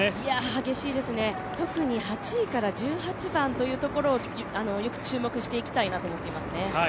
激しいですね、特に８位から１６というところによく注目していきたいなと思っていますね。